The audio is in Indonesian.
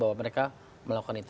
bahwa mereka melakukan itu